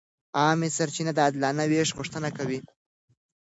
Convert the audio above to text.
عامه سرچینې د عادلانه وېش غوښتنه کوي.